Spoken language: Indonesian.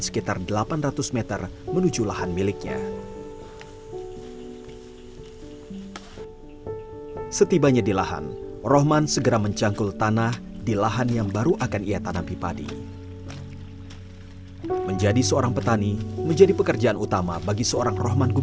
kisah bintang bintang